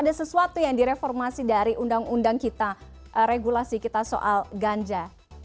ada sesuatu yang direformasi dari undang undang kita regulasi kita soal ganja